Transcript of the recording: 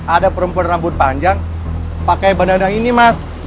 ada perempuan rambut panjang pake bandana ini mas